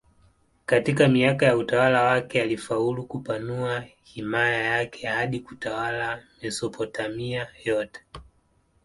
Katika miaka ya utawala wake alifaulu kupanua himaya yake hadi kutawala Mesopotamia yote.